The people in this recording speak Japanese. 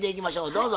どうぞ。